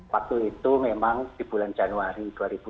waktu itu memang di bulan januari dua ribu dua puluh